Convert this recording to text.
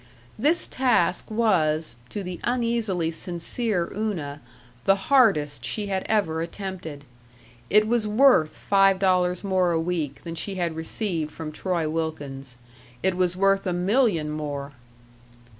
This task was, to the uneasily sincere Una, the hardest she had ever attempted. It was worth five dollars more a week than she had received from Troy Wilkins it was worth a million more!